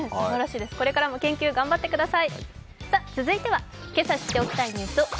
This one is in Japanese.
これからも研究、頑張ってください。